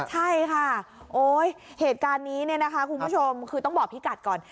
ใช่ค่ะเหตุการณ์นี้คุณผู้ชมคือต้องบอกพี่กัดก่อน